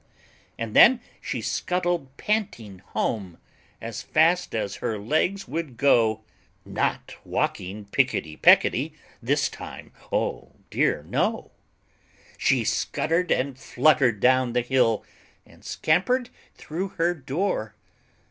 And then she scuttled panting home As fast as her legs would go, Not walking picketty pecketty This time, oh dear no! She scuttered and fluttered down the hill, And scampered through her door.